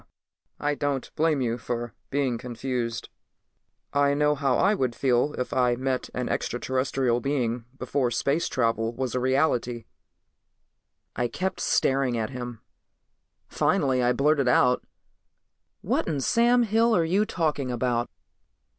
"I don't blame you for being confused. I know how I would feel if I met an extraterrestrial being before space travel was a reality." I kept staring at him. Finally I blurted out, "What in Sam Hill are you talking about?"